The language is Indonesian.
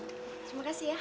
terima kasih ya